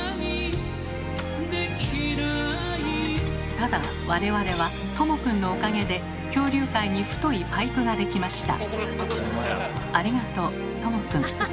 ただ我々はとも君のおかげで恐竜界に太いパイプができました。